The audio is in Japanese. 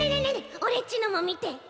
オレっちのもみて！